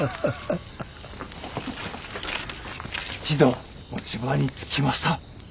一同持ち場につきました。